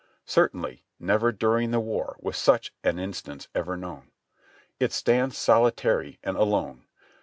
Certainly never during the war was such an instance ever known. It stands solitary and alone.